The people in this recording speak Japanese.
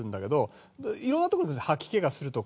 いろんなところ吐き気がするとか。